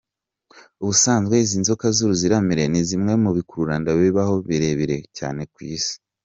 Ubusanzwe izi nzoka z’uruziramire ni zimwe mu bikururanda bibaho birebire cyane ku isi.